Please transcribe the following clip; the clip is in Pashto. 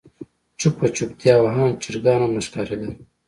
چوپه چوپتيا وه آن چرګان هم نه ښکارېدل.